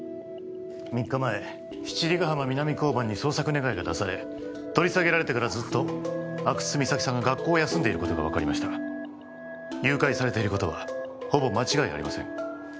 ３日前七里ヶ浜南交番に捜索願が出され取り下げられてからずっと阿久津実咲さんが学校を休んでいることが分かりました誘拐されていることはほぼ間違いありません